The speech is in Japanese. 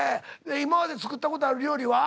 今まで作ったことある料理は？